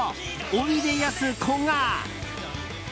おいでやすこが。